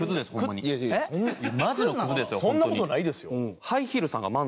そんな事ないですよ。